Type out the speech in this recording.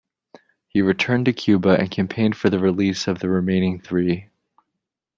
He returned to Cuba and campaigned for the release of the remaining three.